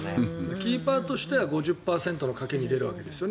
キーパーとしては５０％の賭けに出るわけですよね